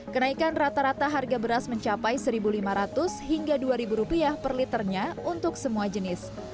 kenaikan rata rata harga beras mencapai rp satu lima ratus hingga rp dua per liternya untuk semua jenis